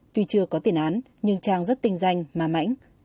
tuy chưa có tiền án nhưng chàng rất tinh danh mà mảnh